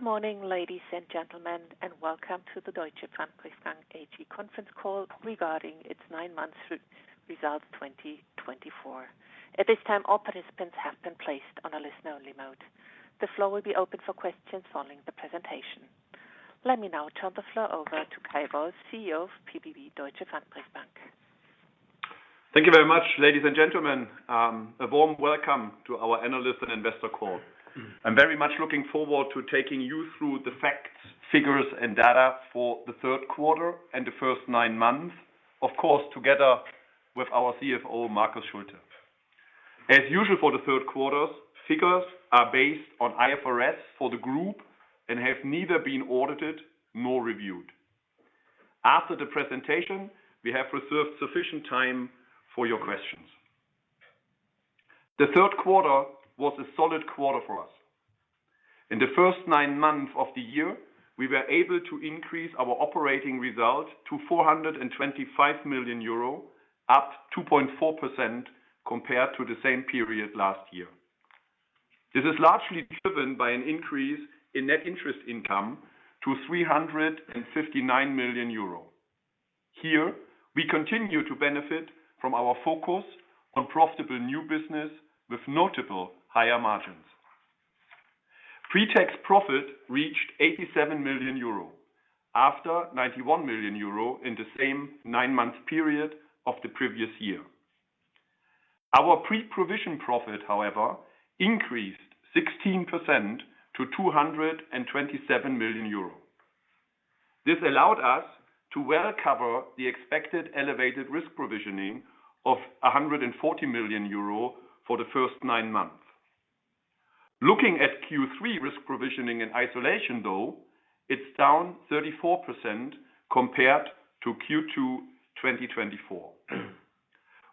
Good morning, ladies and gentlemen, and welcome to the Deutsche Pfandbriefbank AG Conference Call regarding its Nine-Month Results 2024. At this time, all participants have been placed on a listener-only mode. The floor will be open for questions following the presentation. Let me now turn the floor over to Kay Wolf, CEO of pbb Deutsche Pfandbriefbank. Thank you very much, ladies and gentlemen. A warm welcome to our analyst and investor call. I'm very much looking forward to taking you through the facts, figures, and data for the third quarter and the first nine months, of course, together with our CFO, Marcus Schulte. As usual for the third quarters, figures are based on IFRS for the group and have neither been audited nor reviewed. After the presentation, we have reserved sufficient time for your questions. The third quarter was a solid quarter for us. In the first nine months of the year, we were able to increase our operating result to 425 million euro, up 2.4% compared to the same period last year. This is largely driven by an increase in net interest income to 359 million euro. Here, we continue to benefit from our focus on profitable new business with notable higher margins. Pre-tax profit reached 87 million euro after 91 million euro in the same nine-month period of the previous year. Our pre-provision profit, however, increased 16% to 227 million euro. This allowed us to well cover the expected elevated risk provisioning of 140 million euro for the first nine months. Looking at Q3 risk provisioning in isolation, though, it's down 34% compared to Q2 2024.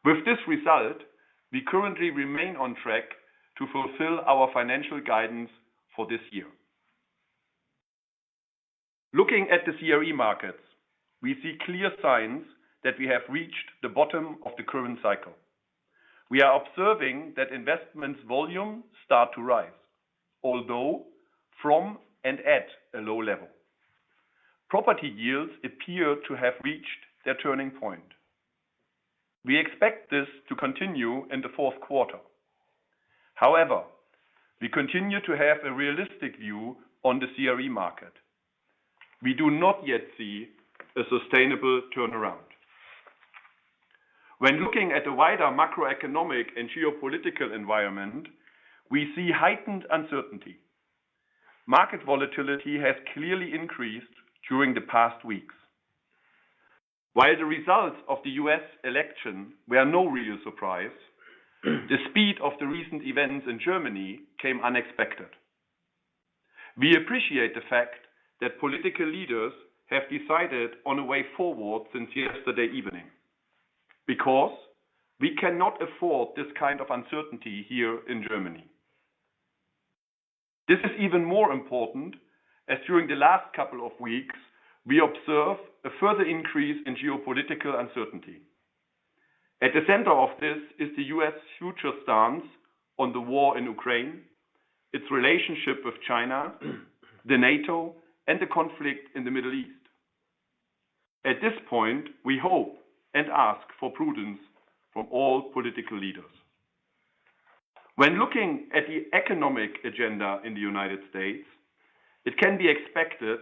With this result, we currently remain on track to fulfill our financial guidance for this year. Looking at the CRE markets, we see clear signs that we have reached the bottom of the current cycle. We are observing that investment volumes start to rise, although from and at a low level. Property yields appear to have reached their turning point. We expect this to continue in the fourth quarter. However, we continue to have a realistic view on the CRE market. We do not yet see a sustainable turnaround. When looking at the wider macroeconomic and geopolitical environment, we see heightened uncertainty. Market volatility has clearly increased during the past weeks. While the results of the U.S. election were no real surprise, the speed of the recent events in Germany came unexpected. We appreciate the fact that political leaders have decided on a way forward since yesterday evening because we cannot afford this kind of uncertainty here in Germany. This is even more important as during the last couple of weeks, we observe a further increase in geopolitical uncertainty. At the center of this is the U.S. future stance on the war in Ukraine, its relationship with China, NATO, and the conflict in the Middle East. At this point, we hope and ask for prudence from all political leaders. When looking at the economic agenda in the United States, it can be expected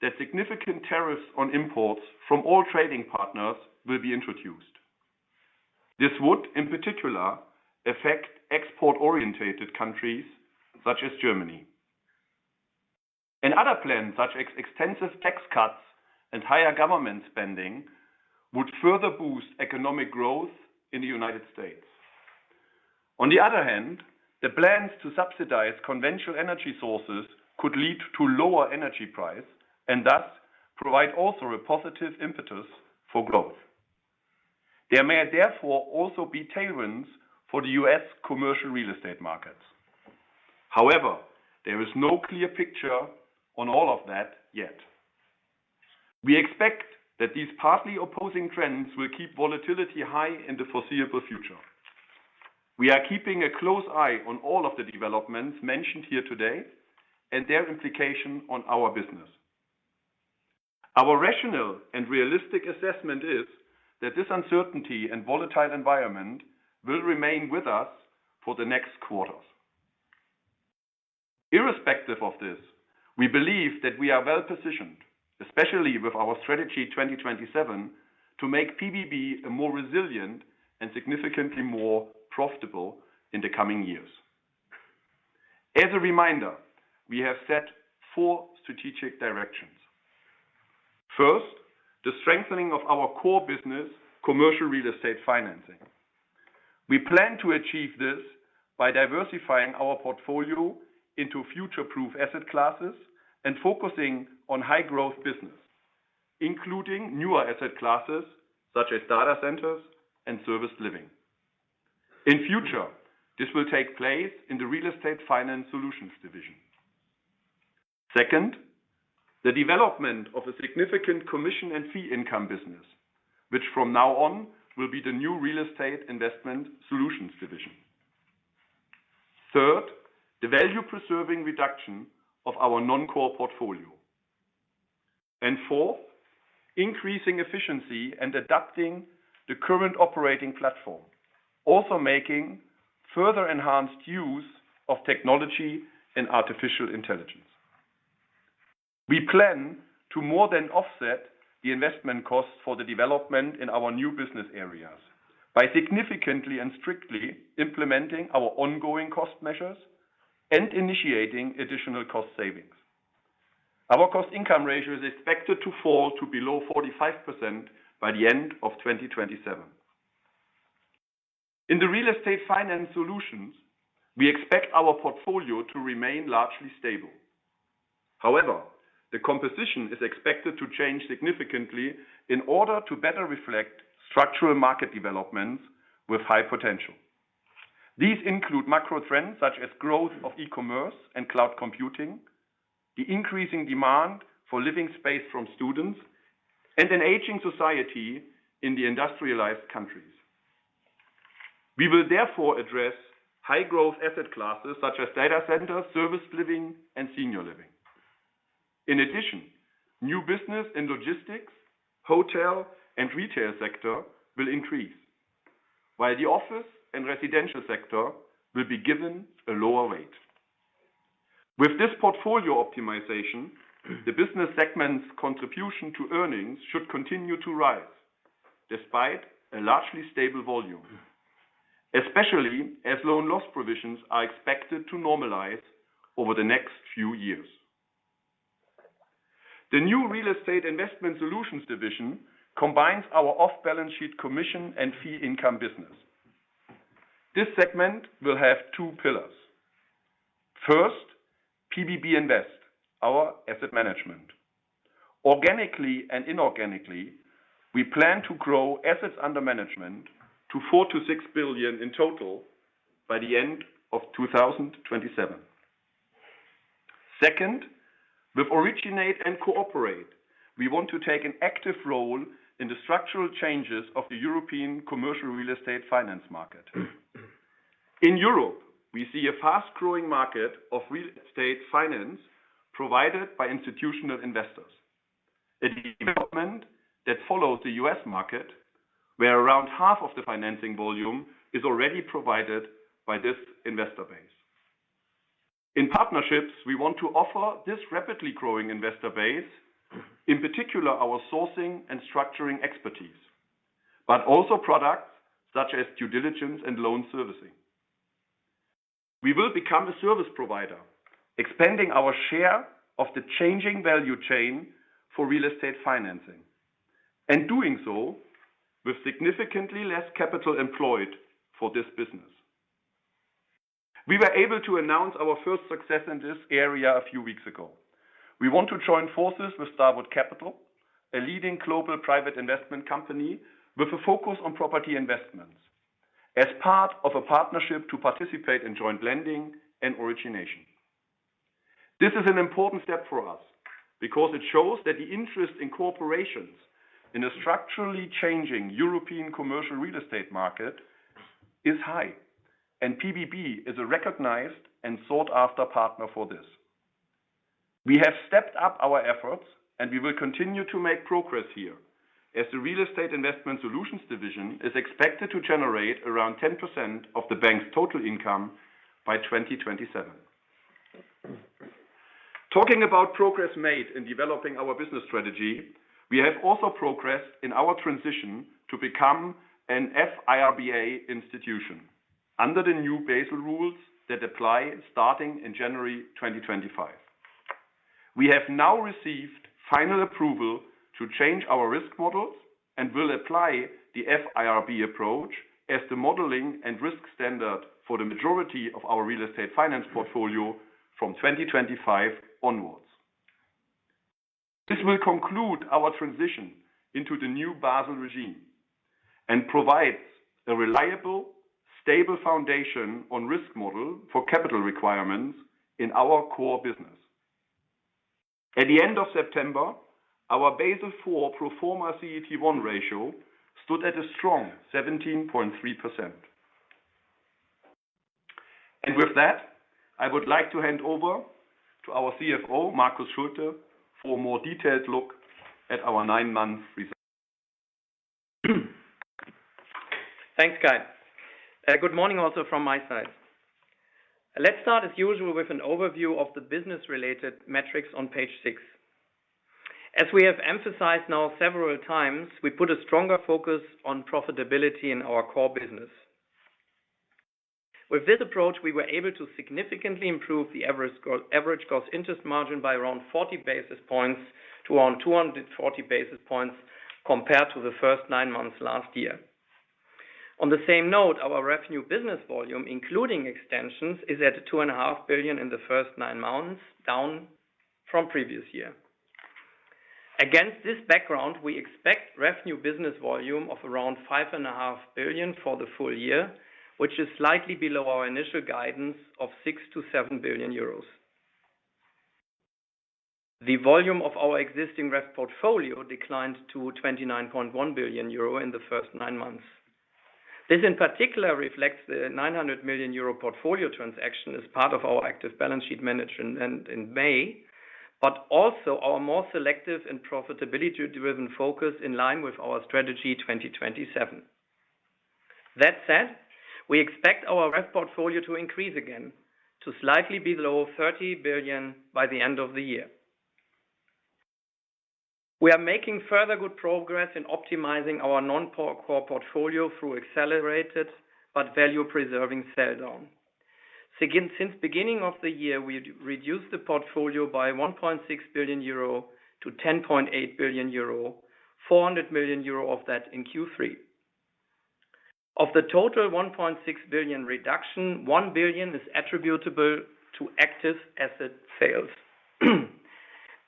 that significant tariffs on imports from all trading partners will be introduced. This would, in particular, affect export-oriented countries such as Germany. Another plan, such as extensive tax cuts and higher government spending, would further boost economic growth in the United States. On the other hand, the plans to subsidize conventional energy sources could lead to lower energy prices and thus provide also a positive impetus for growth. There may therefore also be tailwinds for the U.S. commercial real estate markets. However, there is no clear picture on all of that yet. We expect that these partly opposing trends will keep volatility high in the foreseeable future. We are keeping a close eye on all of the developments mentioned here today and their implication on our business. Our rational and realistic assessment is that this uncertainty and volatile environment will remain with us for the next quarters. Irrespective of this, we believe that we are well positioned, especially with our Strategy 2027, to make pbb more resilient and significantly more profitable in the coming years. As a reminder, we have set four strategic directions. First, the strengthening of our core business, commercial real estate financing. We plan to achieve this by diversifying our portfolio into future-proof asset classes and focusing on high-growth business, including newer asset classes such as Data Centers and Serviced Living. In future, this will take place in the Real Estate Finance Solutions division. Second, the development of a significant commission and fee income business, which from now on will be the new Real Estate Investment Solutions division. Third, the value-preserving reduction of our non-core portfolio. Fourth, increasing efficiency and adapting the current operating platform, also making further enhanced use of technology and artificial intelligence. We plan to more than offset the investment costs for the development in our new business areas by significantly and strictly implementing our ongoing cost measures and initiating additional cost savings. Our cost income ratio is expected to fall to below 45% by the end of 2027. In the real estate finance solutions, we expect our portfolio to remain largely stable. However, the composition is expected to change significantly in order to better reflect structural market developments with high potential. These include macro trends such as growth of e-commerce and cloud computing, the increasing demand for living space from students, and an aging society in the industrialized countries. We will therefore address high-growth asset classes such as Data Centers, Serviced Living, and Senior Living. In addition, new business in logistics, hotel, and retail sectors will increase, while the office and residential sector will be given a lower weight. With this portfolio optimization, the business segment's contribution to earnings should continue to rise despite a largely stable volume, especially as loan loss provisions are expected to normalize over the next few years. The new Real Estate Investment Solutions division combines our off-balance sheet commission and fee income business. This segment will have two pillars. First, PBB Invest, our asset management. Organically and inorganically, we plan to grow assets under management to 4 billion-6 billion in total by the end of 2027. Second, with Originate and Cooperate, we want to take an active role in the structural changes of the European commercial real estate finance market. In Europe, we see a fast-growing market of real estate finance provided by institutional investors, a development that follows the U.S. market, where around half of the financing volume is already provided by this investor base. In partnerships, we want to offer this rapidly growing investor base, in particular our sourcing and structuring expertise, but also products such as due diligence and loan servicing. We will become a service provider, expanding our share of the changing value chain for real estate financing, and doing so with significantly less capital employed for this business. We were able to announce our first success in this area a few weeks ago. We want to join forces with Starwood Capital, a leading global private investment company with a focus on property investments, as part of a partnership to participate in joint lending and origination. This is an important step for us because it shows that the interest in corporations in a structurally changing European commercial real estate market is high, and PBB is a recognized and sought-after partner for this. We have stepped up our efforts, and we will continue to make progress here, as the real estate investment solutions division is expected to generate around 10% of the bank's total income by 2027. Talking about progress made in developing our business strategy, we have also progressed in our transition to become an F-IRBA institution under the new Basel rules that apply starting in January 2025. We have now received final approval to change our risk models and will apply the F-IRBA approach as the modeling and risk standard for the majority of our real estate finance portfolio from 2025 onwards. This will conclude our transition into the new Basel regime and provides a reliable, stable foundation on risk model for capital requirements in our core business. At the end of September, our Basel IV pro forma CET1 ratio stood at a strong 17.3%. And with that, I would like to hand over to our CFO, Marcus Schulte, for a more detailed look at our nine-month results. Thanks, Kay. Good morning also from my side. Let's start, as usual, with an overview of the business-related metrics on page 6. As we have emphasized now several times, we put a stronger focus on profitability in our core business. With this approach, we were able to significantly improve the average gross interest margin by around 40 basis points to around 240 basis points compared to the first nine months last year. On the same note, our REF new business volume, including extensions, is at 2.5 billion in the first nine months, down from previous year. Against this background, we expect REF new business volume of around 5.5 billion for the full year, which is slightly below our initial guidance of 6 billion-7 billion euros. The volume of our existing portfolio declined to 29.1 billion euro in the first nine months. This, in particular, reflects the 900 million euro portfolio transaction as part of our active balance sheet management in May, but also our more selective and profitability-driven focus in line with our Strategy 2027. That said, we expect our portfolio to increase again to slightly below 30 billion by the end of the year. We are making further good progress in optimizing our non-core portfolio through accelerated but value-preserving sell down. Since beginning of the year, we reduced the portfolio by 1.6 billion euro to 10.8 billion euro, 400 million euro of that in Q3. Of the total 1.6 billion reduction, 1 billion is attributable to active asset sales.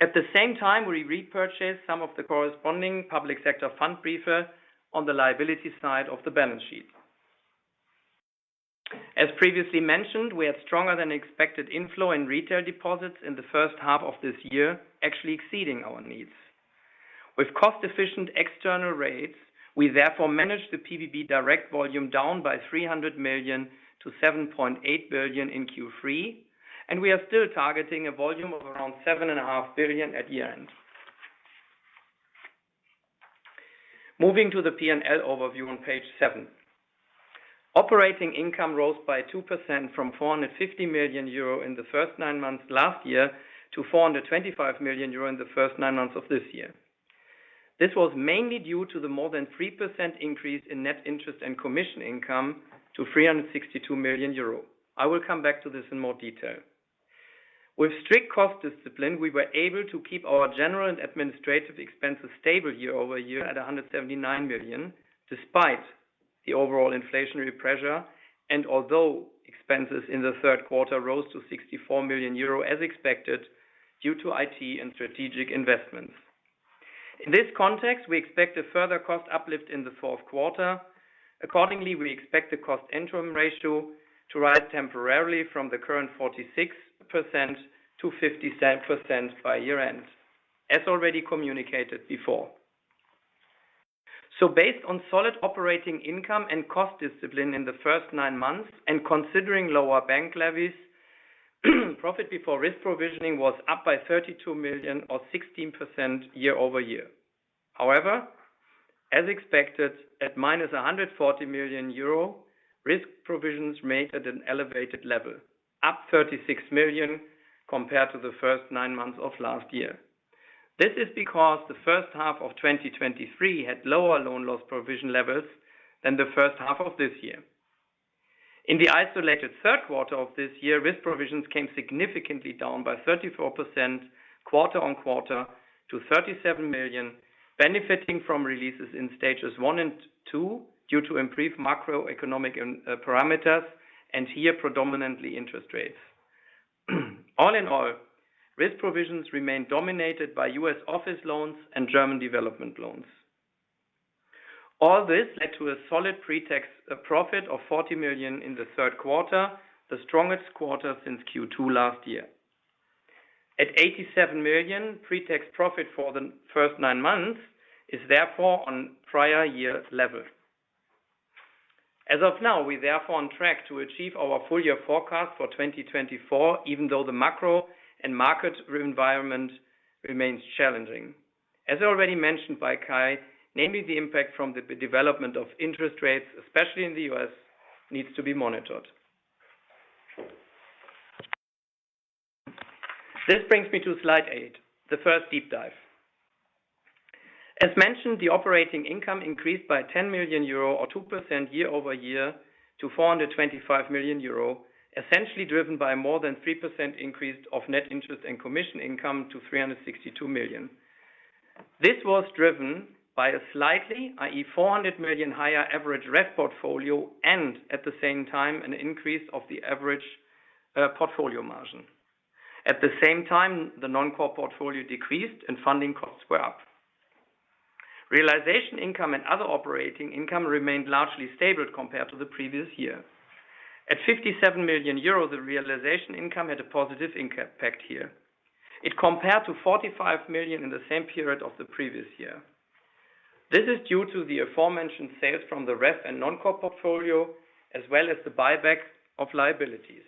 At the same time, we repurchased some of the corresponding public sector Pfandbriefe on the liability side of the balance sheet. As previously mentioned, we had stronger than expected inflow in retail deposits in the first half of this year, actually exceeding our needs. With cost-efficient external rates, we therefore managed the PBB Direct volume down by 300 million to 7.8 billion in Q3, and we are still targeting a volume of around 7.5 billion at year-end. Moving to the P&L overview on page seven, operating income rose by 2% from 450 million euro in the first nine months last year to 425 million euro in the first nine months of this year. This was mainly due to the more than 3% increase in net interest and commission income to 362 million euro. I will come back to this in more detail. With strict cost discipline, we were able to keep our general and administrative expenses stable year over year at 179 million, despite the overall inflationary pressure, and although expenses in the third quarter rose to 64 million euro as expected due to IT and strategic investments. In this context, we expect a further cost uplift in the fourth quarter. Accordingly, we expect the cost-income ratio to rise temporarily from the current 46% to 57% by year-end, as already communicated before. So, based on solid operating income and cost discipline in the first nine months and considering lower bank levies, profit before risk provisioning was up by 32 million, or 16% year over year. However, as expected, at minus 140 million euro, risk provisions remained at an elevated level, up 36 million compared to the first nine months of last year. This is because the first half of 2023 had lower loan loss provision levels than the first half of this year. In the isolated third quarter of this year, risk provisions came significantly down by 34% quarter on quarter to 37 million, benefiting from releases in stages 1 and 2 due to improved macroeconomic parameters, and here predominantly interest rates. All in all, risk provisions remained dominated by U.S. office loans and German development loans. All this led to a solid pre-tax profit of 40 million in the third quarter, the strongest quarter since Q2 last year. At 87 million, pre-tax profit for the first nine months is therefore on prior year level. As of now, we are therefore on track to achieve our full year forecast for 2024, even though the macro and market environment remains challenging. As already mentioned by Kay, namely the impact from the development of interest rates, especially in the U.S., needs to be monitored. This brings me to slide 8, the first deep dive. As mentioned, the operating income increased by 10 million euro, or 2% year over year, to 425 million euro, essentially driven by a more than 3% increase of net interest and commission income to 362 million. This was driven by a slightly, i.e., 400 million higher average REF portfolio and at the same time an increase of the average portfolio margin. At the same time, the non-core portfolio decreased and funding costs were up. Realization income and other operating income remained largely stable compared to the previous year. At 57 million euro, the realization income had a positive impact here. It compared to 45 million in the same period of the previous year. This is due to the aforementioned sales from the REF and non-core portfolio, as well as the buyback of liabilities.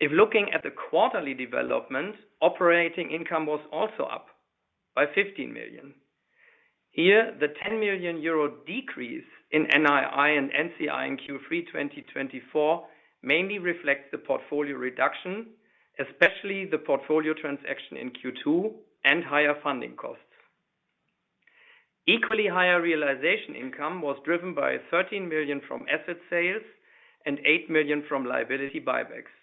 If looking at the quarterly development, operating income was also up by 15 million. Here, the 10 million euro decrease in NII and NCI in Q3 2024 mainly reflects the portfolio reduction, especially the portfolio transaction in Q2 and higher funding costs. Equally higher realization income was driven by 13 million from asset sales and 8 million from liability buybacks.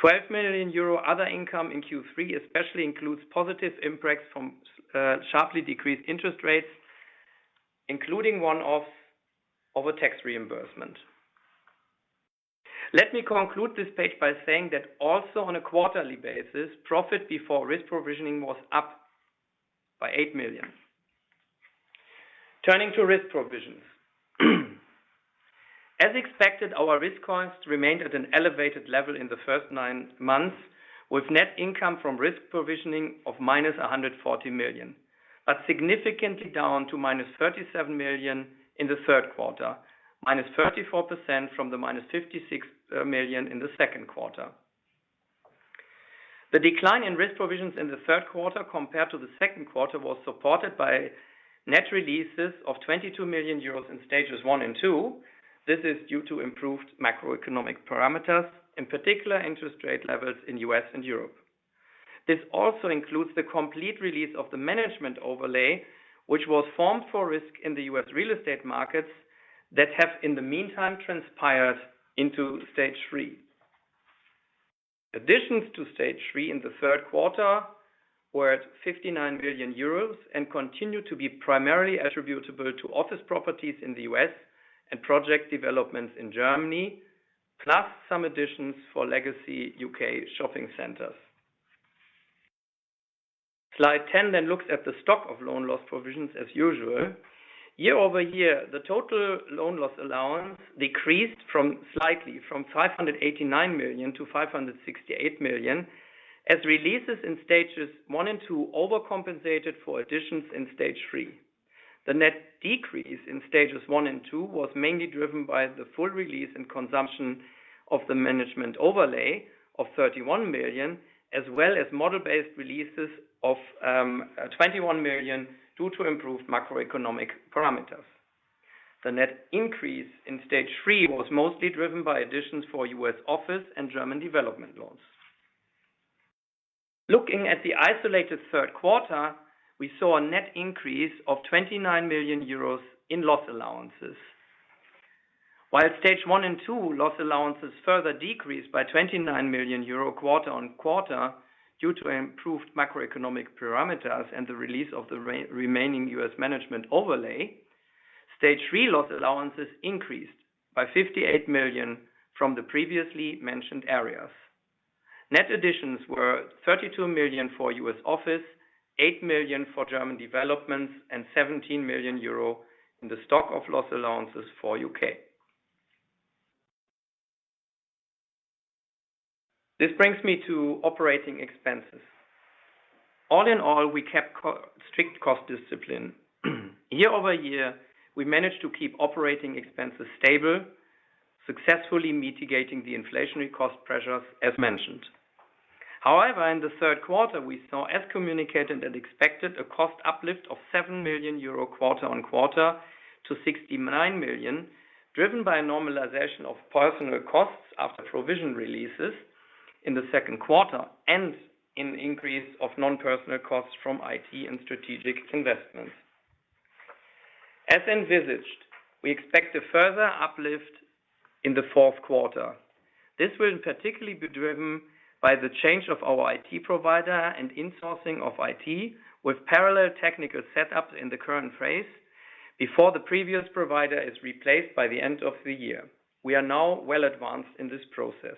12 million euro other income in Q3 especially includes positive impacts from sharply decreased interest rates, including one-offs of a tax reimbursement. Let me conclude this page by saying that also on a quarterly basis, profit before risk provisioning was up by 8 million. Turning to risk provisions. As expected, our risk costs remained at an elevated level in the first nine months, with net income from risk provisioning of minus 140 million, but significantly down to minus 37 million in the third quarter, minus 34% from the minus 56 million in the second quarter. The decline in risk provisions in the third quarter compared to the second quarter was supported by net releases of 22 million euros in stages one and two. This is due to improved macroeconomic parameters, in particular interest rate levels in the U.S. and Europe. This also includes the complete release of the management overlay, which was formed for risk in the U.S. real estate markets that have in the meantime transpired into stage 3. Additions to stage 3 in the third quarter were at 59 million euros and continue to be primarily attributable to office properties in the U.S. and project developments in Germany, plus some additions for legacy U.K. shopping centers. Slide 10 then looks at the stock of loan loss provisions as usual. Year over year, the total loan loss allowance decreased slightly from 589 million to 568 million, as releases in stages one and two overcompensated for additions in stage III. The net decrease in stages 1 and 2 was mainly driven by the full release and consumption of the management overlay of 31 million, as well as model-based releases of 21 million due to improved macroeconomic parameters. The net increase in stage 3 was mostly driven by additions for U.S. office and German development loans. Looking at the isolated third quarter, we saw a net increase of 29 million euros in loss allowances. While stage 1 and 2 loss allowances further decreased by 29 million euro quarter on quarter due to improved macroeconomic parameters and the release of the remaining U.S. management overlay, stage 3loss allowances increased by 58 million from the previously mentioned areas. Net additions were 32 million for U.S. office, 8 million for German developments, and 17 million euro in the stock of loss allowances for U.K. This brings me to operating expenses. All in all, we kept strict cost discipline. Year over year, we managed to keep operating expenses stable, successfully mitigating the inflationary cost pressures as mentioned. However, in the third quarter, we saw, as communicated and expected, a cost uplift of 7 million euro quarter on quarter to 69 million, driven by a normalization of personal costs after provision releases in the second quarter and an increase of non-personal costs from IT and strategic investments. As envisaged, we expect a further uplift in the fourth quarter. This will particularly be driven by the change of our IT provider and insourcing of IT, with parallel technical setups in the current phase before the previous provider is replaced by the end of the year. We are now well advanced in this process.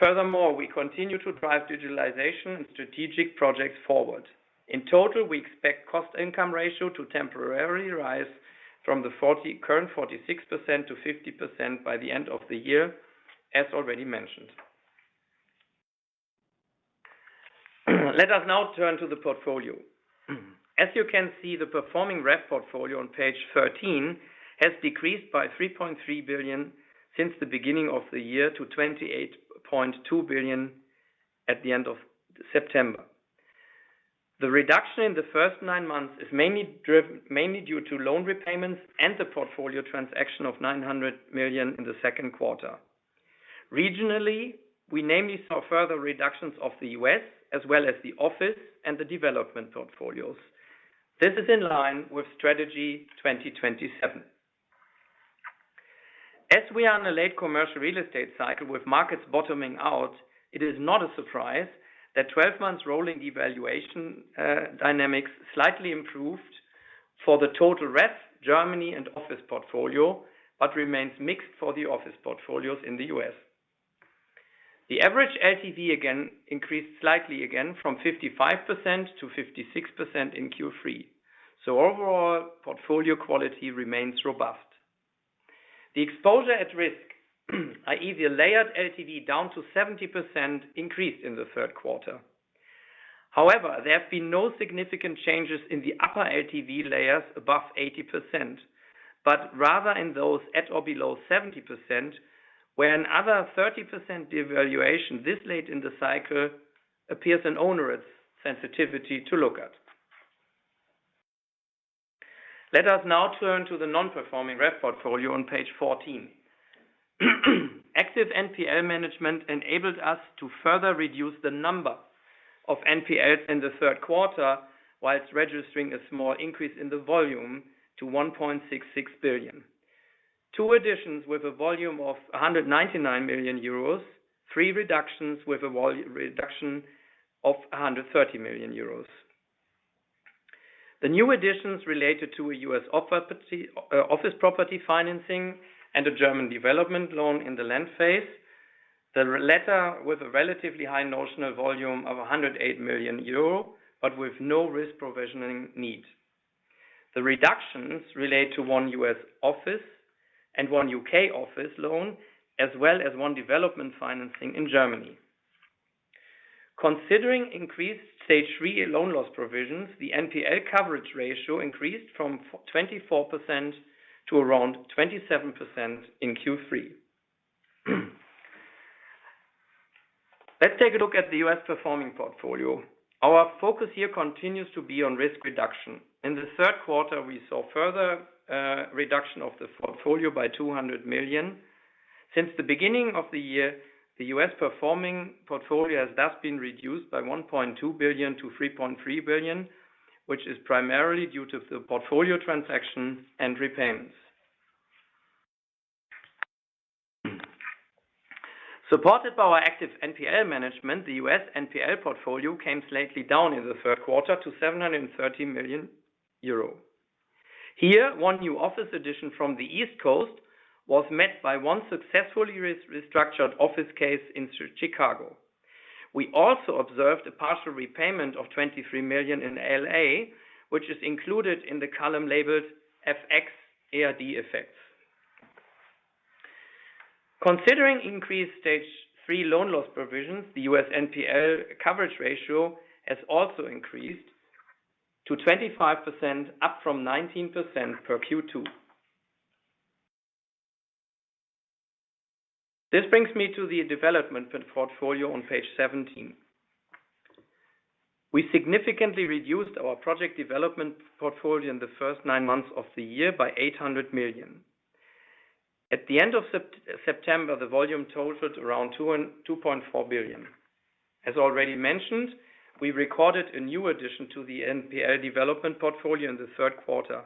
Furthermore, we continue to drive digitalization and strategic projects forward. In total, we expect cost income ratio to temporarily rise from the current 46% to 50% by the end of the year, as already mentioned. Let us now turn to the portfolio. As you can see, the performing REF portfolio on page 13 has decreased by 3.3 billion since the beginning of the year to 28.2 billion at the end of September. The reduction in the first nine months is mainly due to loan repayments and the portfolio transaction of 900 million in the second quarter. Regionally, we namely saw further reductions of the U.S., as well as the office and the development portfolios. This is in line with Strategy 2027. As we are in a late commercial real estate cycle with markets bottoming out, it is not a surprise that 12 months rolling devaluation dynamics slightly improved for the total REF Germany and office portfolio, but remains mixed for the office portfolios in the U.S. The average LTV increased slightly again from 55% to 56% in Q3. So overall, portfolio quality remains robust. The exposure at risk, i.e., the layered LTV down to 70%, increased in the third quarter. However, there have been no significant changes in the upper LTV layers above 80%, but rather in those at or below 70%, where another 30% devaluation this late in the cycle appears an onerous sensitivity to look at. Let us now turn to the non-performing REF portfolio on page 14. Active NPL management enabled us to further reduce the number of NPLs in the third quarter, while registering a small increase in the volume to 1.66 billion. Two additions with a volume of 199 million euros, three reductions with a volume reduction of 130 million euros. The new additions related to a U.S. office property financing and a German development loan in the land phase, the latter with a relatively high notional volume of 108 million euro, but with no risk provisioning need. The reductions relate to one U.S. office and one U.K. office loan, as well as one development financing in Germany. Considering increased stage 3 loan loss provisions, the NPL coverage ratio increased from 24% to around 27% in Q3. Let's take a look at the U.S. performing portfolio. Our focus here continues to be on risk reduction. In the third quarter, we saw further reduction of the portfolio by 200 million. Since the beginning of the year, the U.S. performing portfolio has thus been reduced by 1.2 billion to 3.3 billion, which is primarily due to the portfolio transaction and repayments. Supported by our active NPL management, the U.S. NPL portfolio came slightly down in the third quarter to 730 million euro. Here, one new office addition from the East Coast was met by one successfully restructured office case in Chicago. We also observed a partial repayment of 23 million in LA, which is included in the column labeled FX / other effects. Considering increased stage 3 loan loss provisions, the U.S. NPL coverage ratio has also increased to 25%, up from 19% per Q2. This brings me to the development portfolio on page 17. We significantly reduced our project development portfolio in the first nine months of the year by 800 million. At the end of September, the volume totaled around 2.4 billion. As already mentioned, we recorded a new addition to the NPL development portfolio in the third quarter.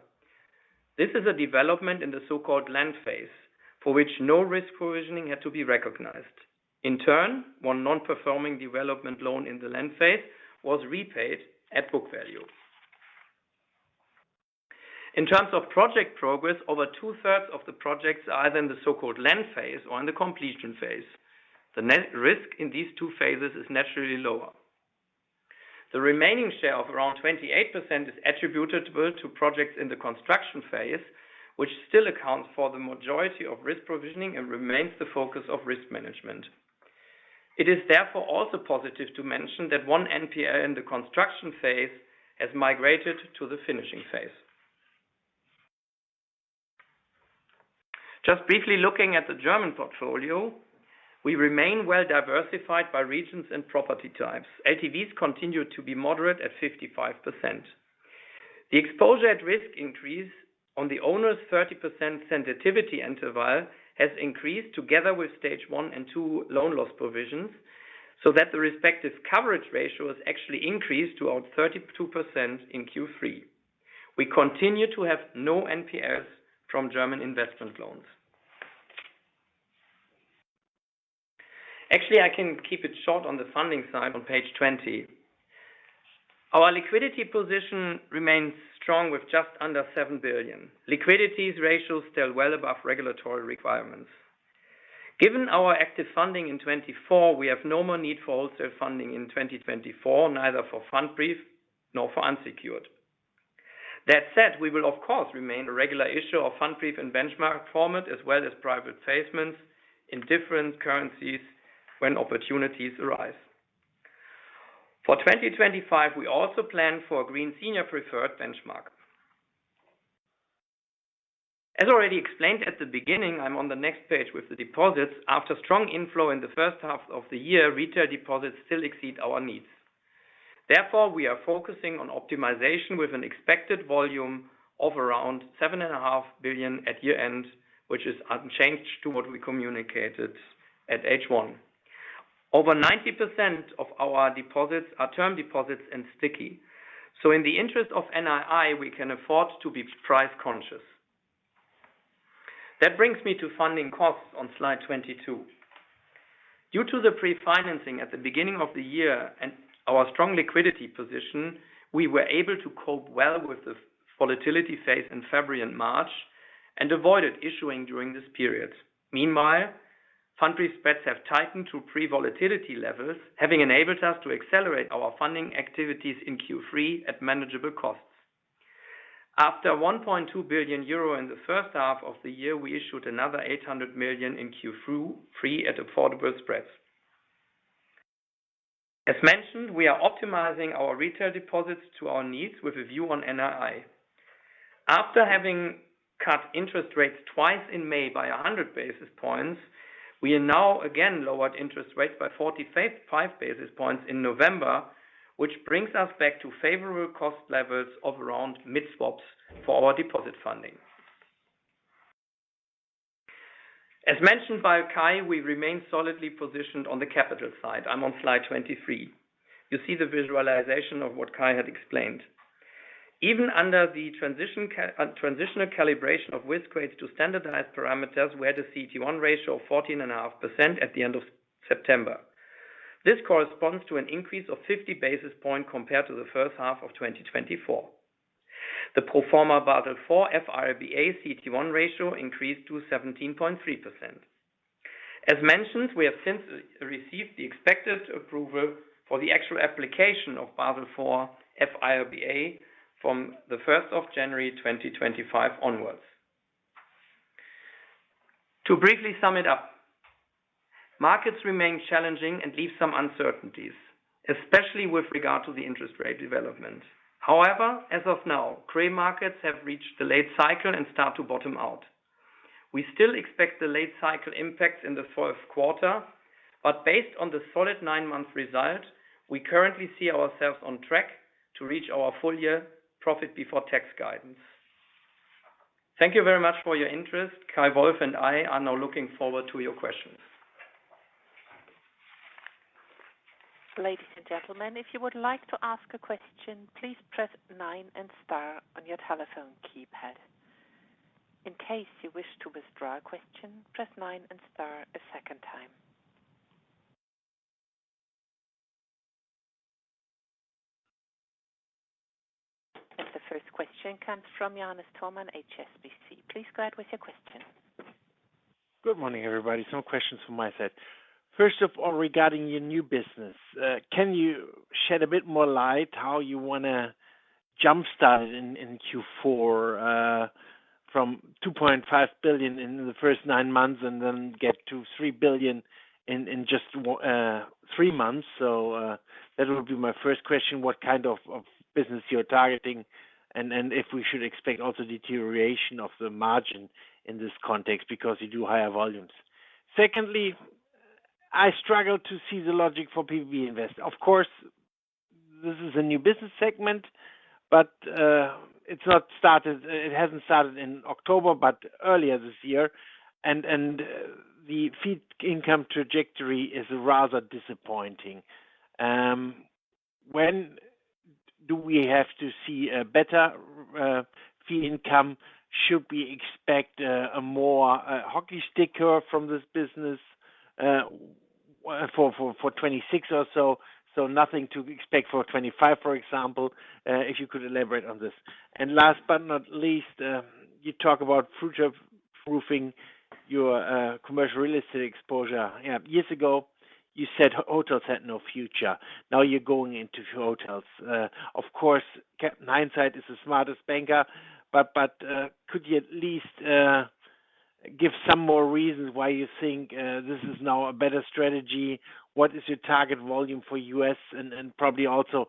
This is a development in the so-called land phase, for which no risk provisioning had to be recognized. In turn, one non-performing development loan in the land phase was repaid at book value. In terms of project progress, over 2/3 of the projects are either in the so-called land phase or in the completion phase. The net risk in these two phases is naturally lower. The remaining share of around 28% is attributed to projects in the construction phase, which still accounts for the majority of risk provisioning and remains the focus of risk management. It is therefore also positive to mention that one NPL in the construction phase has migrated to the finishing phase. Just briefly looking at the German portfolio, we remain well diversified by regions and property types. LTVs continue to be moderate at 55%. The exposure at risk increase on the onerous 30% sensitivity interval has increased together with Stage 1 and 2 loan loss provisions, so that the respective coverage ratio has actually increased to about 32% in Q3. We continue to have no NPLs from German investment loans. Actually, I can keep it short on the funding side on page 20. Our liquidity position remains strong with just under 7 billion. Liquidity ratios still well above regulatory requirements. Given our active funding in 2024, we have no more need for wholesale funding in 2024, neither for Pfandbrief nor for unsecured. That said, we will of course remain a regular issuer of Pfandbrief and benchmark format, as well as private placements in different currencies when opportunities arise. For 2025, we also plan for a green senior preferred benchmark. As already explained at the beginning, I'm on the next page with the deposits. After strong inflow in the first half of the year, retail deposits still exceed our needs. Therefore, we are focusing on optimization with an expected volume of around 7.5 billion at year-end, which is unchanged to what we communicated at H1. Over 90% of our deposits are term deposits and sticky. So in the interest of NII, we can afford to be price conscious. That brings me to funding costs on slide 22. Due to the pre-financing at the beginning of the year and our strong liquidity position, we were able to cope well with the volatility phase in February and March and avoided issuing during this period. Meanwhile, Pfandbrief spreads have tightened to pre-volatility levels, having enabled us to accelerate our funding activities in Q3 at manageable costs. After 1.2 billion euro in the first half of the year, we issued another 800 million in Q3 at affordable spreads. As mentioned, we are optimizing our retail deposits to our needs with a view on NII. After having cut interest rates twice in May by 100 basis points, we have now again lowered interest rates by 45 basis points in November, which brings us back to favorable cost levels of around Mid Swaps for our deposit funding. As mentioned by Kay, we remain solidly positioned on the capital side. I'm on slide 23. You see the visualization of what Kay had explained. Even under the transitional calibration of risk rates to standardized parameters, we had a CET1 ratio of 14.5% at the end of September. This corresponds to an increase of 50 basis points compared to the first half of 2024. The pro forma Basel IV F-IRBA CET1 ratio increased to 17.3%. As mentioned, we have since received the expected approval for the actual application of Basel IV F-IRBA from the 1st of January 2025 onwards. To briefly sum it up, markets remain challenging and leave some uncertainties, especially with regard to the interest rate development. However, as of now, trade markets have reached the late cycle and start to bottom out. We still expect the late cycle impacts in the fourth quarter, but based on the solid nine-month result, we currently see ourselves on track to reach our full year profit before tax guidance. Thank you very much for your interest. Kay Wolf and I are now looking forward to your questions. Ladies and gentlemen, if you would like to ask a question, please press nine and star on your telephone keypad. In case you wish to withdraw a question, press nine and star a second time. The first question comes from Johannes Thormann at HSBC. Please go ahead with your question. Good morning, everybody. Some questions from my side. First of all, regarding your new business, can you shed a bit more light on how you want to jump-start in Q4 from 2.5 billion in the first nine months and then get to 3 billion in just three months? That will be my first question. What kind of business you're targeting and if we should expect also deterioration of the margin in this context because you do higher volumes? Secondly, I struggle to see the logic for PBB Invest. Of course, this is a new business segment, but it hasn't started in October, but earlier this year, and the fee income trajectory is rather disappointing. When do we have to see a better fee income? Should we expect a more hockey stick from this business for 2026 or so? So nothing to expect for 2025, for example, if you could elaborate on this. And last but not least, you talk about future-proofing your commercial real estate exposure. Years ago, you said hotels had no future. Now you're going into hotels. Of course, hindsight is the smartest banker, but could you at least give some more reasons why you think this is now a better strategy? What is your target volume for U.S.? And probably also,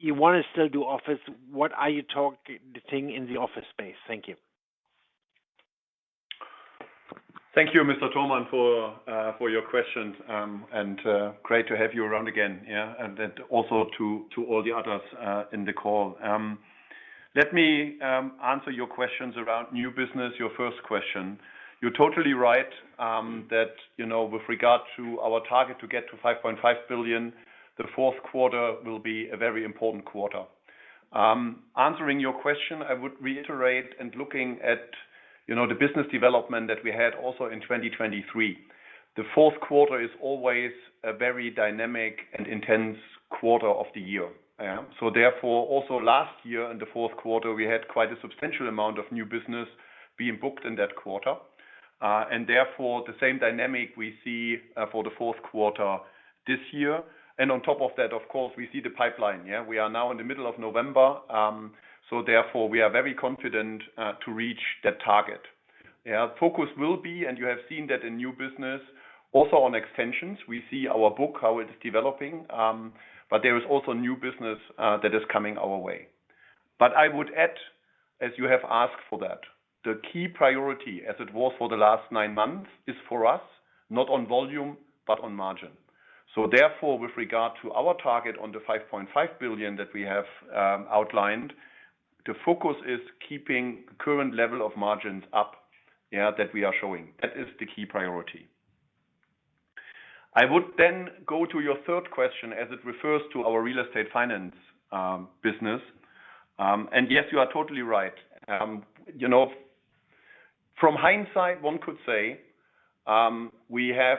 you want to still do office. What are you talking in the office space? Thank you. Thank you, Mr. Thormann, for your questions. And great to have you around again. Yeah. And also to all the others in the call. Let me answer your questions around new business, your first question. You're totally right that with regard to our target to get to 5.5 billion, the fourth quarter will be a very important quarter. Answering your question, I would reiterate, and looking at the business development that we had also in 2023. The fourth quarter is always a very dynamic and intense quarter of the year. So therefore, also last year in the fourth quarter, we had quite a substantial amount of new business being booked in that quarter. And therefore, the same dynamic we see for the fourth quarter this year. And on top of that, of course, we see the pipeline. Yeah. We are now in the middle of November. So therefore, we are very confident to reach that target. Yeah. Focus will be, and you have seen that in new business, also on extensions. We see our book, how it's developing, but there is also new business that is coming our way. But I would add, as you have asked for that, the key priority, as it was for the last nine months, is for us, not on volume, but on margin. Therefore, with regard to our target on the 5.5 billion that we have outlined, the focus is keeping the current level of margins up that we are showing. That is the key priority. I would then go to your third question as it refers to our real estate finance business. And yes, you are totally right. From hindsight, one could say we have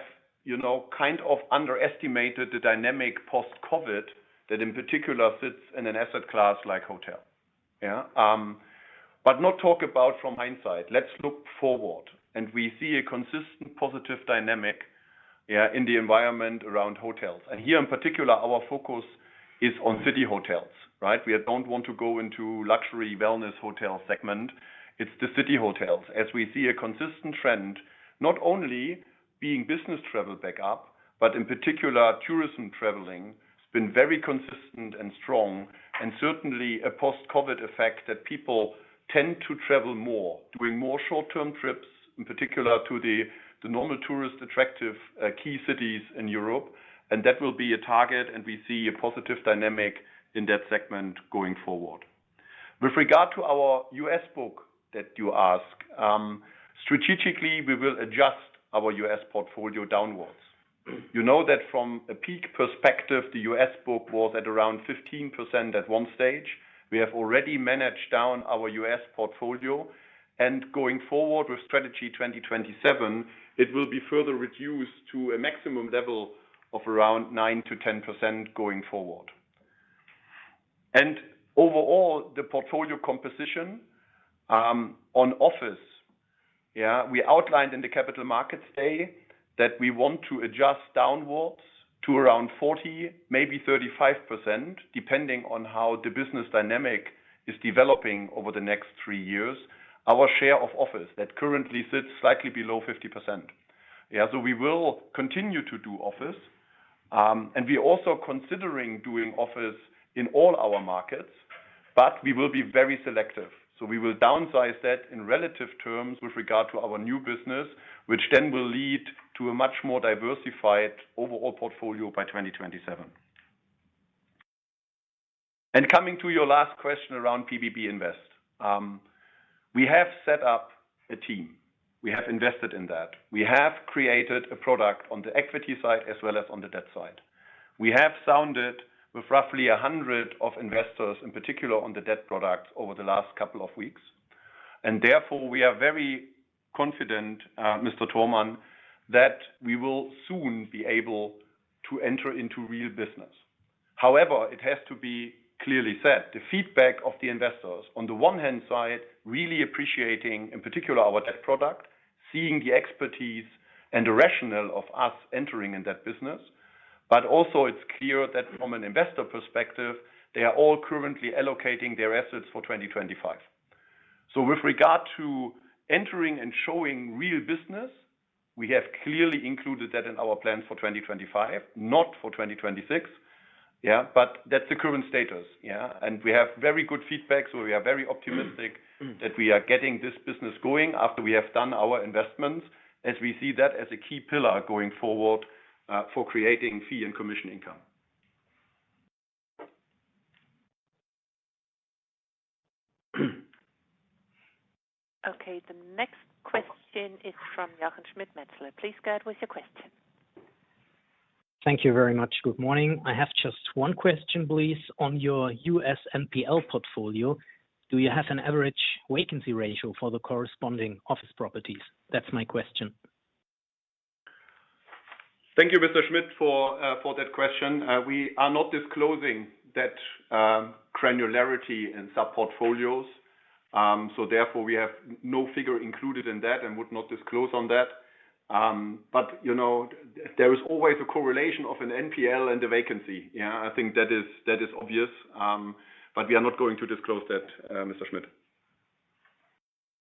kind of underestimated the dynamic post-COVID that in particular sits in an asset class like hotel. Yeah. But not talk about from hindsight. Let's look forward. And we see a consistent positive dynamic in the environment around hotels. And here in particular, our focus is on city hotels. Right? We don't want to go into luxury wellness hotel segment. It's the city hotels. As we see a consistent trend, not only being business travel back up, but in particular, tourism traveling has been very consistent and strong, and certainly a post-COVID effect that people tend to travel more, doing more short-term trips, in particular to the normal tourist attractive key cities in Europe. And that will be a target, and we see a positive dynamic in that segment going forward. With regard to our U.S. book that you ask, strategically, we will adjust our U.S. portfolio downwards. You know that from a peak perspective, the U.S. book was at around 15% at one stage. We have already managed down our U.S. portfolio. And going forward with Strategy 2027, it will be further reduced to a maximum level of around 9%-10% going forward. Overall, the portfolio composition on office, yeah, we outlined in the Capital Markets Day that we want to adjust downwards to around 40%, maybe 35%, depending on how the business dynamic is developing over the next three years. Our share of office that currently sits slightly below 50%. Yeah. We will continue to do office. We are also considering doing office in all our markets, but we will be very selective. We will downsize that in relative terms with regard to our new business, which then will lead to a much more diversified overall portfolio by 2027. Coming to your last question around PBB Invest, we have set up a team. We have invested in that. We have created a product on the equity side as well as on the debt side. We have sounded out with roughly a hundred investors, in particular on the debt products over the last couple of weeks, and therefore we are very confident, Mr. Thormann, that we will soon be able to enter into real business. However, it has to be clearly said. The feedback of the investors, on the one hand side, really appreciating, in particular, our debt product, seeing the expertise and the rationale of us entering in that business, but also it's clear that from an investor perspective, they are all currently allocating their assets for 2025, so with regard to entering and showing real business, we have clearly included that in our plans for 2025, not for 2026. Yeah, but that's the current status. Yeah, and we have very good feedback. We are very optimistic that we are getting this business going after we have done our investments, as we see that as a key pillar going forward for creating fee and commission income. Okay. The next question is from Jochen Schmitt. Please go ahead with your question. Thank you very much. Good morning. I have just one question, please. On your U.S. NPL portfolio, do you have an average vacancy ratio for the corresponding office properties? That's my question. Thank you, Mr. Schmitt, for that question. We are not disclosing that granularity in sub-portfolios. So therefore, we have no figure included in that and would not disclose on that. But there is always a correlation of an NPL and a vacancy. Yeah. I think that is obvious. But we are not going to disclose that, Mr. Schmitt.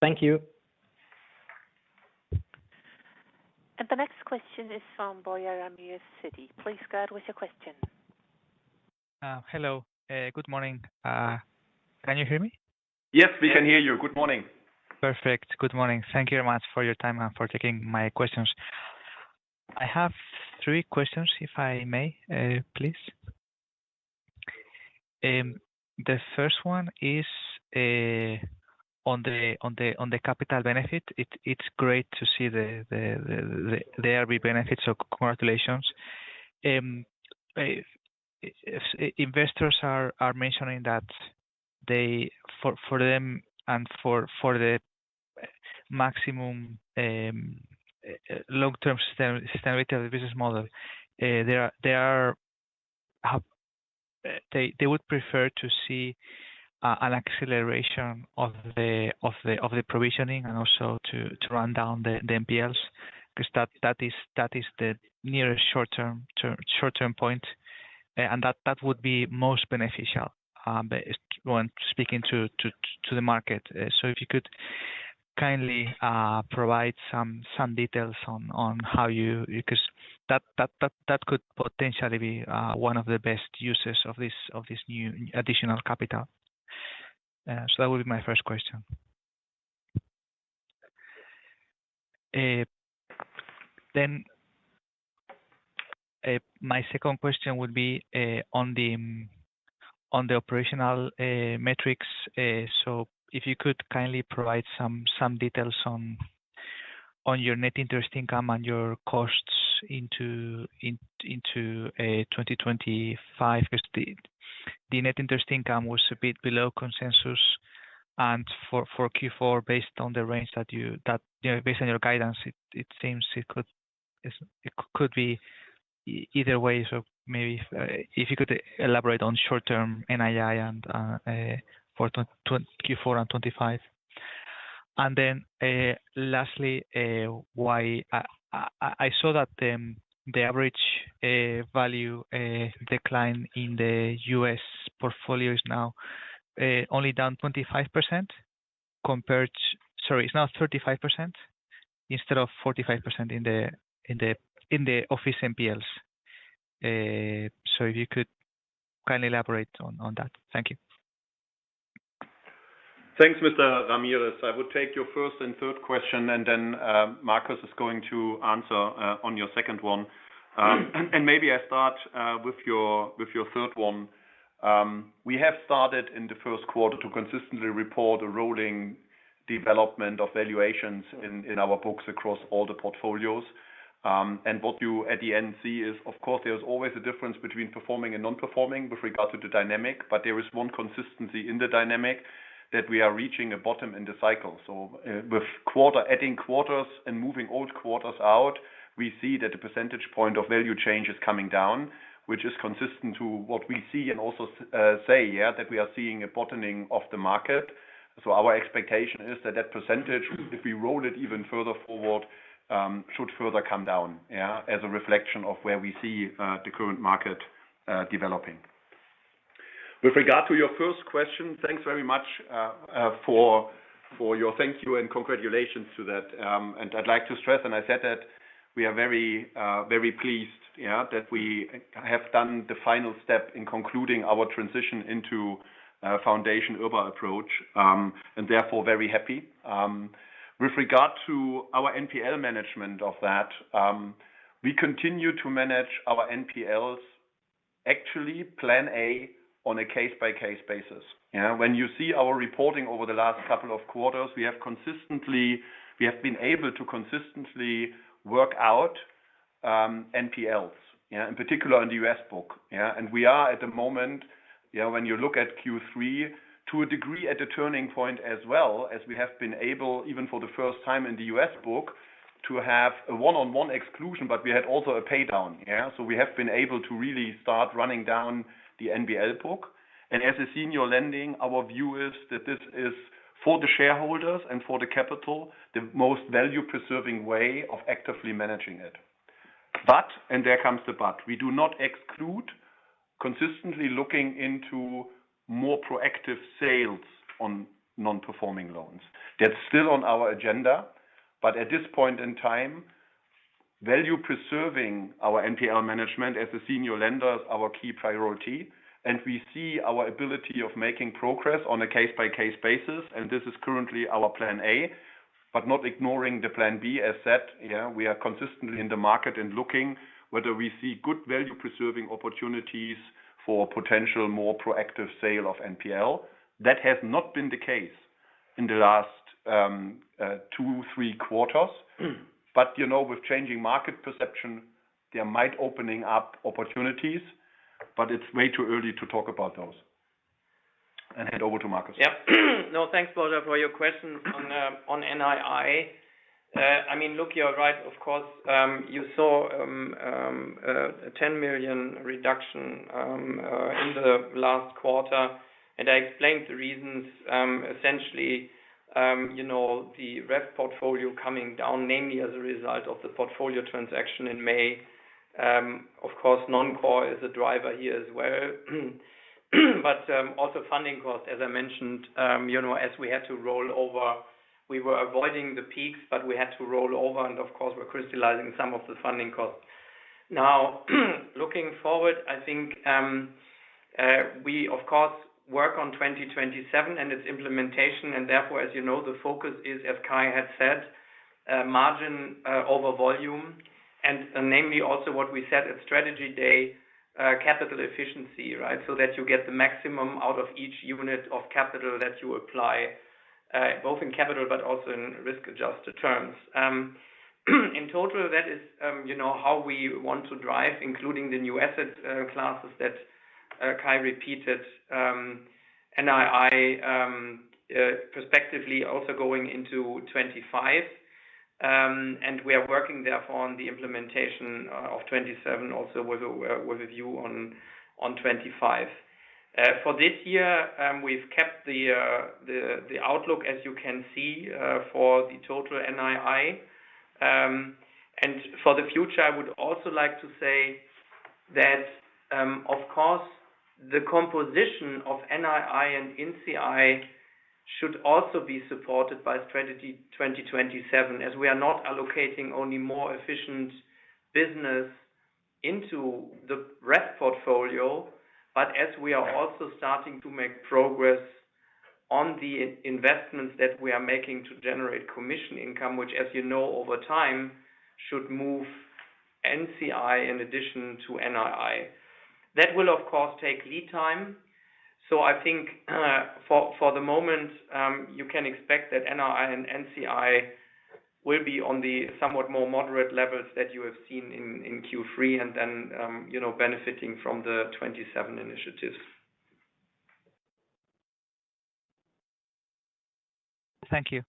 Thank you. And the next question is from Borja Ramirez at Citi. Please go ahead with your question. Hello. Good morning. Can you hear me? Yes, we can hear you. Good morning. Perfect. Good morning. Thank you very much for your time and for taking my questions. I have three questions, if I may, please. The first one is on the capital benefit. It's great to see the RB benefits. So congratulations. Investors are mentioning that for them and for the maximum long-term sustainability of the business model, they would prefer to see an acceleration of the provisioning and also to run down the NPLs because that is the nearest short-term point. And that would be most beneficial when speaking to the market. So if you could kindly provide some details on how you because that could potentially be one of the best uses of this new additional capital. So that would be my first question. Then my second question would be on the operational metrics. So if you could kindly provide some details on your net interest income and your costs into 2025 because the net interest income was a bit below consensus. And for Q4, based on the range that you based on your guidance, it seems it could be either way. So maybe if you could elaborate on short-term NII for Q4 and 25. And then lastly, I saw that the average value decline in the U.S. portfolio is now only down 25% compared to, sorry, it's now 35% instead of 45% in the office NPLs. So if you could kindly elaborate on that. Thank you. Thanks, Mr. Ramirez. I would take your first and third question, and then Marcus is going to answer on your second one. And maybe I start with your third one. We have started in the first quarter to consistently report a rolling development of valuations in our books across all the portfolios. And what you at the end see is, of course, there is always a difference between performing and non-performing with regard to the dynamic, but there is one consistency in the dynamic that we are reaching a bottom in the cycle. So with adding quarters and moving old quarters out, we see that the percentage point of value change is coming down, which is consistent to what we see and also say, yeah, that we are seeing a bottoming of the market. So our expectation is that that percentage, if we roll it even further forward, should further come down, yeah, as a reflection of where we see the current market developing. With regard to your first question, thanks very much for your thank you and congratulations to that. And I'd like to stress, and I said that we are very pleased, yeah, that we have done the final step in concluding our transition into Foundation IRB approach and therefore very happy. With regard to our NPL management of that, we continue to manage our NPLs, actually plan A on a case-by-case basis. Yeah. When you see our reporting over the last couple of quarters, we have been able to consistently work out NPLs, yeah, in particular on the U.S. book. And we are at the moment, yeah, when you look at Q3, to a degree at a turning point as well, as we have been able, even for the first time in the U.S. book, to have a one-on-one exclusion, but we had also a paydown. We have been able to really start running down the NPL book. As a senior lender, our view is that this is, for the shareholders and for the capital, the most value-preserving way of actively managing it. But, and there comes the but, we do not exclude consistently looking into more proactive sales on non-performing loans. That's still on our agenda. But at this point in time, value-preserving our NPL management as a senior lender is our key priority. We see our ability of making progress on a case-by-case basis. This is currently our plan A, but not ignoring the plan B, as said. We are consistently in the market and looking whether we see good value-preserving opportunities for potential more proactive sale of NPL. That has not been the case in the last two, three quarters. But with changing market perception, there might open up opportunities, but it's way too early to talk about those. And hand over to Marcus. Yeah. No, thanks, Borja, for your question on NII. I mean, look, you're right. Of course, you saw a 10 million reduction in the last quarter. And I explained the reasons. Essentially, the REF portfolio coming down, mainly as a result of the portfolio transaction in May. Of course, non-core is a driver here as well. But also funding costs, as I mentioned, as we had to roll over, we were avoiding the peaks, but we had to roll over, and of course, we're crystallizing some of the funding costs. Now, looking forward, I think we, of course, work on 2027 and its implementation. And therefore, as you know, the focus is, as Kay had said, margin over volume. Namely also what we said at strategy day, capital efficiency, right, so that you get the maximum out of each unit of capital that you apply, both in capital but also in risk-adjusted terms. In total, that is how we want to drive, including the new asset classes that Kay repeated, NII prospectively also going into 2025. We are working therefore on the implementation of 2027 also with a view on 2025. For this year, we've kept the outlook, as you can see, for the total NII. And for the future, I would also like to say that, of course, the composition of NII and NCI should also be supported by Strategy 2027, as we are not allocating only more efficient business into the REF portfolio, but as we are also starting to make progress on the investments that we are making to generate commission income, which, as you know, over time should move NCI in addition to NII. That will, of course, take lead time. So I think for the moment, you can expect that NII and NCI will be on the somewhat more moderate levels that you have seen in Q3 and then benefiting from the 2027 initiatives. Thank you.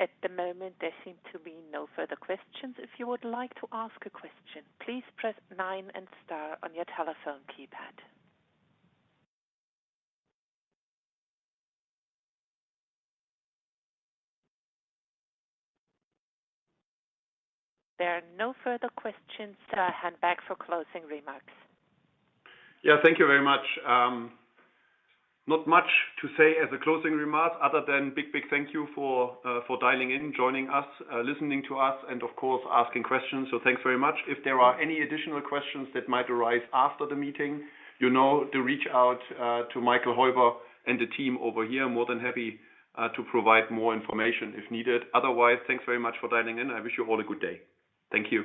At the moment, there seem to be no further questions. If you would like to ask a question, please press 9 and star on your telephone keypad. There are no further questions. Handing back for closing remarks. Yeah. Thank you very much. Not much to say as a closing remark other than big, big thank you for dialing in, joining us, listening to us, and of course, asking questions, so thanks very much. If there are any additional questions that might arise after the meeting, you know to reach out to Michael Heuber and the team over here. More than happy to provide more information if needed. Otherwise, thanks very much for dialing in. I wish you all a good day. Thank you.